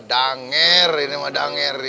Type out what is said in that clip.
danger ini pak danger